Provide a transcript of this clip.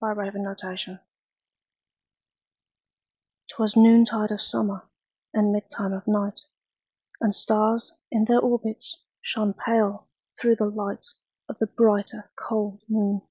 1827 Evening Star 'Twas noontide of summer, And midtime of night, And stars, in their orbits, Shone pale, through the light Of the brighter, cold moon.